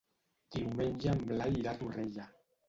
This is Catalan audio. Diumenge en Blai irà a Torrella.